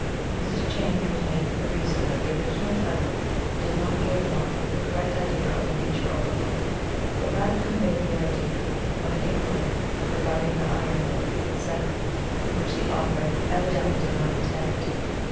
This change was made for the reason that the original title did not give one the correct idea of the nature of the book, but rather conveyed the idea of an inquiry regarding the "iron will," etc., which the author evidently did not intend.